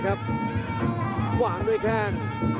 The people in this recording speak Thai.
พยาบกระแทกมัดเย็บซ้าย